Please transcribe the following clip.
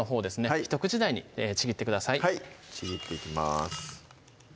はいちぎっていきます